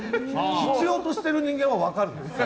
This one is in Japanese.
必要としてる人間は分かるんです。